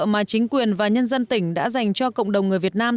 mà chính quyền và nhân dân tỉnh đã dành cho cộng đồng người việt nam